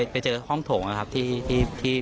ไปเจอห้องโถงนะครับที่ไปเจอพระท่านนะครับ